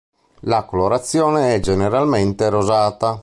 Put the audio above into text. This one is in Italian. La colorazione è generalmente rosata.